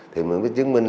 thì mình mới chứng minh